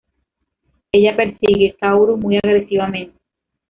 Ella persigue Kaoru muy agresivamente.